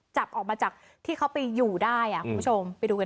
กลับด้านหลักหลักหลักหลักหลัก